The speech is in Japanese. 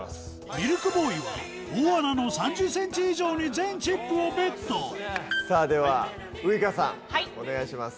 ミルクボーイは大穴の３０ｃｍ以上に全チップをＢＥＴさあではウイカさんお願いします。